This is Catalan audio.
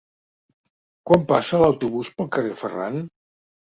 Quan passa l'autobús pel carrer Ferran?